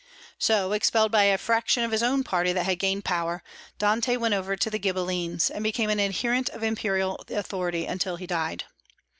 So, expelled by a fraction of his own party that had gained power, Dante went over to the Ghibellines, and became an adherent of imperial authority until he died.